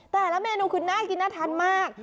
แต่ละเมนูคือน่ากินน่าทานมาก